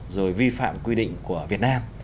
rồi vi phạm quy định của việt nam